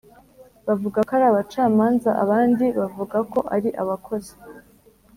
bavuga ko ari abacamanza abandi bavuga ko ari abakozi